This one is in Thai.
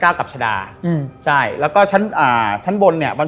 เนี่ยพี่แจกเราจะเห็นชั้นตรงคล้องเลย